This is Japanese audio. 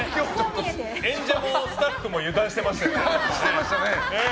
演者もスタッフも油断してましたから。